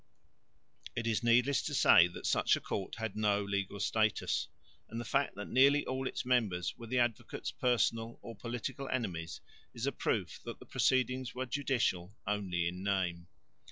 It is needless to say that such a court had no legal status; and the fact that nearly all its members were the Advocate's personal or political enemies is a proof that the proceedings were judicial only in name.